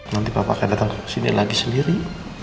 nanti bapak akan datang ke sini lagi sendiri